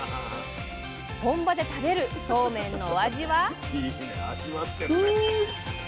本場で食べるそうめんのお味は？